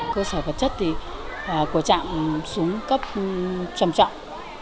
cơ sở vật chất thì của trạm xuống cấp trầm trọng